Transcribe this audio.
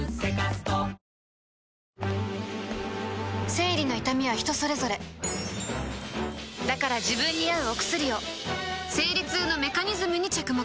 生理の痛みは人それぞれだから自分に合うお薬を生理痛のメカニズムに着目